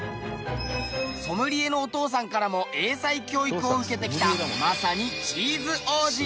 ソムリエのお父さんからも英才教育を受けてきたまさにチーズ王子。